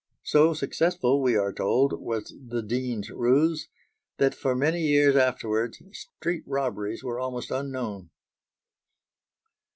So successful, we are told, was the Dean's ruse that, for many years afterwards, street robberies were almost unknown.